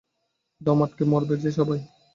দম আটকে মরবে যে সবাই।